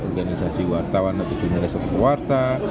organisasi wartawan atau jurnalis atau warta